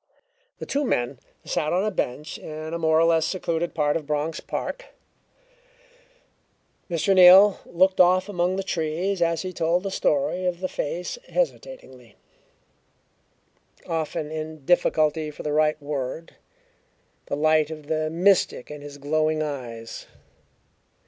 The two men sat on a bench in a more or less secluded part of Bronx Park. Mr. Neal looked off among the trees as he told the story of the face hesitatingly, often in difficulty for the right word, the light of the mystic in his glowing eyes.